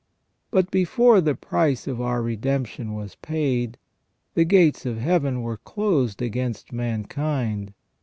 But before the price of our redemption was paid, the gates of Heaven were closed against mankind.